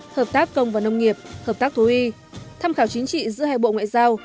hợp tác công và nông nghiệp hợp tác thú y thăm khảo chính trị giữa hai bộ ngoại giao